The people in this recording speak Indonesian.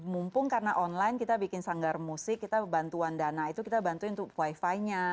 mumpung karena online kita bikin sanggar musik kita bantuan dana itu kita bantuin untuk wifi nya